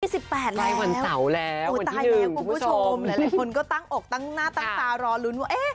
๒๘แล้วตายแล้วคุณผู้ชมหลายคนก็ตั้งอกตั้งหน้าตั้งตารอรุ้นว่า